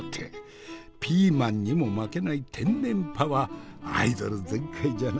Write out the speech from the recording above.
ピーマンにも負けない天然パワーアイドル全開じゃな。